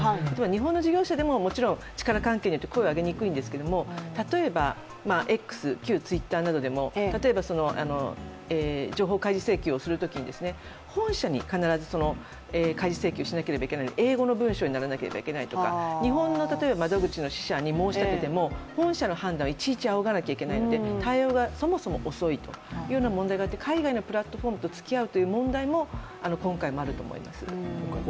日本の事業者でも、もちろん力関係によって声を上げにくいんですけれども、例えばＸ、旧Ｔｗｉｔｔｅｒなどでも例えば情報開示請求をするときに本社に必ず開示請求しなければならない英語の文章にならなければいけないとか、日本の本社に申し立てても、本社の判断をいちいちあおがないといけないので対応がそもそも遅いというような問題があって海外のプラットフォームとつきあいという問題も今回もあると思います。